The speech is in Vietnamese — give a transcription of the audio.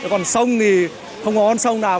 còn sông thì không có con sông nào